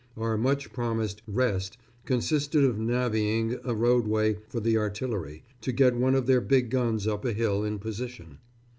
Our much promised "rest" consisted of navvying a roadway for the artillery, to get one of their big guns up a hill in position....